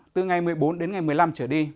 từ ngày một mươi bốn đến ngày một mươi năm trở đi